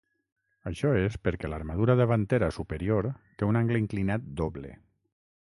Això és perquè l'armadura davantera superior té un angle inclinat doble.